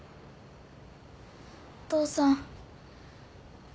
お父さん。